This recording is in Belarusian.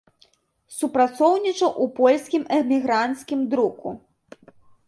Супрацоўнічаў у польскім эмігранцкім друку.